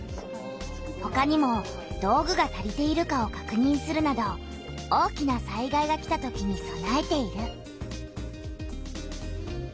ほかにも道具が足りているかをかくにんするなど大きな災害が来たときにそなえている。